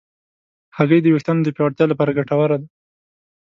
هګۍ د ویښتانو د پیاوړتیا لپاره ګټوره ده.